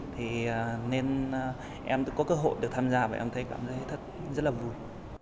thì nên em có cơ hội được tham gia và em thấy cảm thấy thật rất là vui